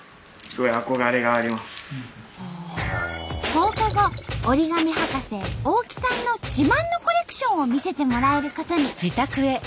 放課後折り紙博士大木さんの自慢のコレクションを見せてもらえることに。